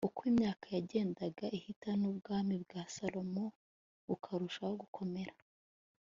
uko imyaka yagendaga ihita n'ubwami bwa salomo bukarushaho gukomera